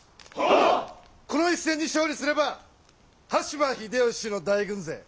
この一戦に勝利すれば羽柴秀吉の大軍勢